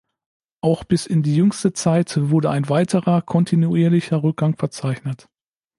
Auch bis in die jüngste Zeit wurde ein weiterer kontinuierlicher Rückgang verzeichnet.